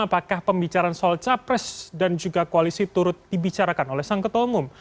apakah pembicaraan soal capres dan juga koalisi turut dibicarakan oleh sang ketua umum